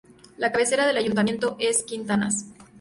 La cabecera del ayuntamiento es Quintanas.